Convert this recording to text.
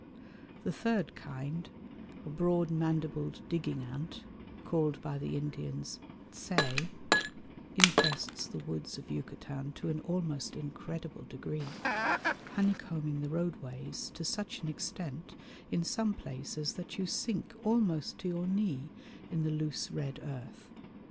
The third kind, a broad mandibled digging ant, called by the Indians zay (pronounced tzay), infests the woods of Yucatan to an almost incredible degree, honeycombing the roadways to such an extent in some places that you sink almost to your knee in the loose red earth.